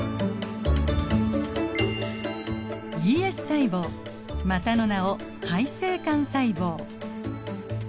ＥＳ細胞またの名を胚性幹細胞。